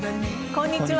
こんにちは。